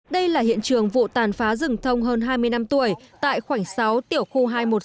đây là hiện trường vụ tàn phá rừng thông hơn hai mươi năm tuổi tại khoảnh sáu tiểu khu hai trăm một mươi sáu